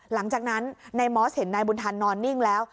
หลังจากนั้นนายมอสเห็นนายบุญธันนอนนิ่งแล้ว